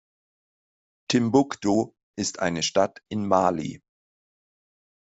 Timbuktu ist eine Stadt in Mali.